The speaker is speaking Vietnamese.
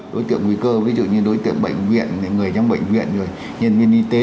đối tượng nguy cơ ví dụ như đối tượng bệnh viện người trong bệnh viện rồi nhân viên y tế